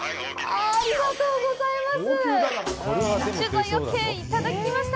ありがとうございます！